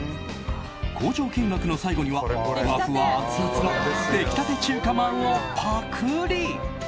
工場見学の最後にはふわふわアツアツのできたて中華まんをパクリ。